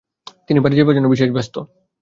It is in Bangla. তিনি বাড়ী যাইবার জন্য বিশেষ ব্যস্ত।